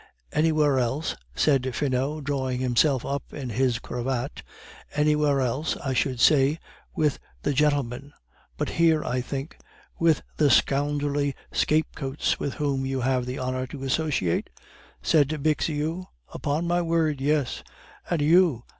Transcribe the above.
"Anywhere else," said Finot, drawing himself up in his cravat, "anywhere else, I should say, with the 'gentlemen'; but here, I think " "With the scoundrelly scapegraces with whom you have the honor to associate?" said Bixiou. "Upon my word, yes." "And you?"